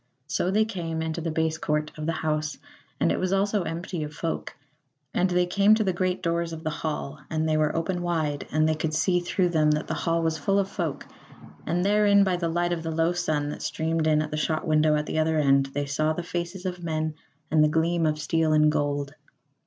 So they came into the base court of the house, and it also was empty of folk; and they came to the great doors of the hall and they were open wide, and they could see through them that the hall was full of folk, and therein by the light of the low sun that streamed in at the shot window at the other end they saw the faces of men and the gleam of steel and gold.